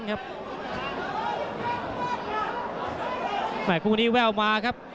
อีกว่าแม่กุ้งว้าวมาครับ